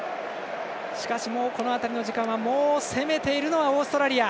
この辺りの時間帯は攻めているのはオーストラリア。